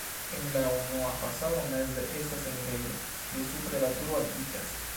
En la unua fasado meze estas enirejo, pli supre la turo altiĝas.